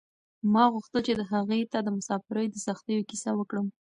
ما غوښتل چې هغې ته د مساپرۍ د سختیو کیسه وکړم.